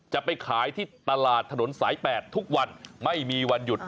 จะไปขายที่ตลาดถนนสาย๘ทุกวันไม่มีวันหยุด